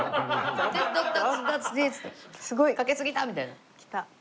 すごい。かけすぎた！みたいな。きた。